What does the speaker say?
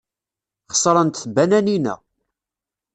Xeṣrent tbananin-a.